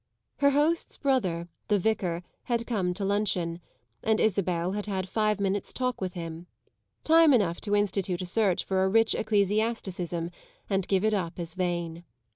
Her host's brother, the Vicar, had come to luncheon, and Isabel had had five minutes' talk with him time enough to institute a search for a rich ecclesiasticism and give it up as vain.